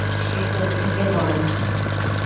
সে তোর থেকে বড়।